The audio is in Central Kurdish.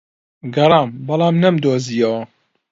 گەڕام، بەڵام نەمدۆزییەوە.